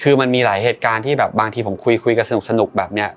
คือมันมีหลายเหตุการณ์ที่แบบบางทีผมคุยกันสนุกแบบนี้